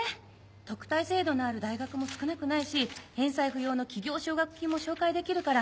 特待制度のある大学も少なくないし返済不要の企業奨学金も紹介できるから。